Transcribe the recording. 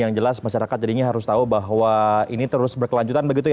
yang jelas masyarakat jadinya harus tahu bahwa ini terus berkelanjutan begitu ya